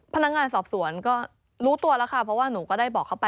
พนักงานสอบสวนก็รู้ตัวแล้วค่ะเพราะว่าหนูก็ได้บอกเขาไป